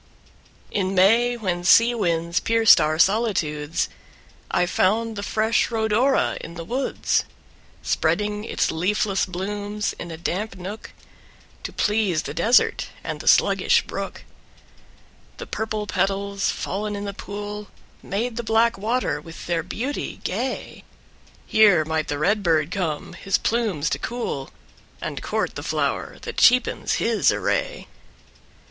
In May, when sea winds pierced our solitudes, I found the fresh Rhodora in the woods, Spreading its leafless blooms in a damp nook, To please the desert and the sluggish brook. The purple petals, fallen in the pool, Made the black water with their beauty gay; Here might the red bird come his plumes to cool. And court the flower that cheapens his array.